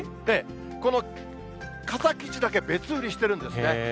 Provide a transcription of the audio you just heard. この傘生地だけ別売りしてるんですね。